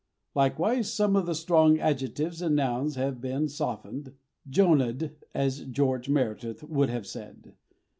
Likewise some of the strong adjectives and nouns have been softened, Jonahed, as George Meredith would have said.